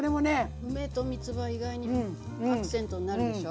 梅とみつば意外にアクセントになるでしょ。